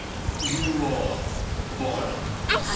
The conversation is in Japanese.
理由はわからん。